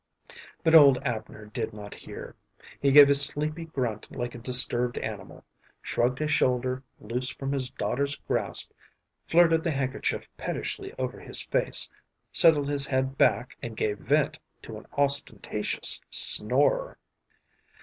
But old Abner did not hear. He gave a sleepy grunt like a disturbed animal, shrugged his shoulder loose from his daughter's grasp, flirted the handkerchief pettishly over his face, settled his head back, and gave vent to an ostentatious snore.